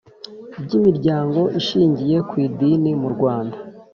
By imiryango ishingiye ku idini mu rwanda